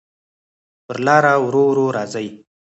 پر لاره ورو، ورو راځې